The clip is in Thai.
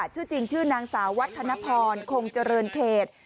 ชื่อจริงชื่อนางสาววัฒนพรคงเจริญเขต